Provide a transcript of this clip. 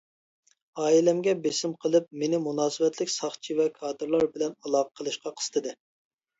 ئائىلەمگە بېسىم قىلىپ، مېنى مۇناسىۋەتلىك ساقچى ۋە كادىرلار بىلەن ئالاقە قىلىشقا قىستىدى.